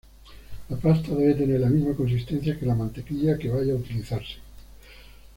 La pasta debe tener la misma consistencia que la mantequilla que vaya a utilizarse.